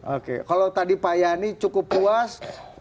oke kalau tadi pak yani cukup puas